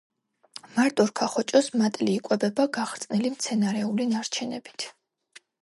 მარტორქა ხოჭოს მატლი იკვებება გახრწნილი მცენარეული ნარჩენებით.